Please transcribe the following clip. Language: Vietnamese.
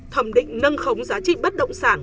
thẩm định nâng khống giá trị bất động sản